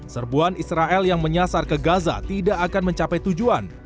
serbuan israel yang menyasar ke gaza tidak akan mencapai tujuan